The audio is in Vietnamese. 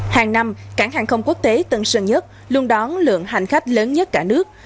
hàng năm cảng hàng không quốc tế tân sơn nhất luôn đón lượng hành khách lớn nhất cả nước